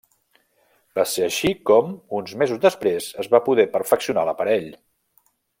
Va ser així com, uns mesos després es va poder perfeccionar l'aparell.